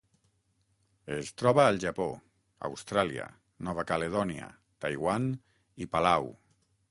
Es troba al Japó, Austràlia, Nova Caledònia, Taiwan i Palau.